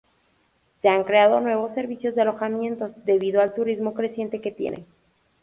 Se han creado nuevos servicios de alojamientos debido al turismo creciente que tiene.